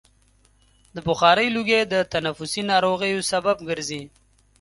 د بخارۍ لوګی د تنفسي ناروغیو سبب ګرځي.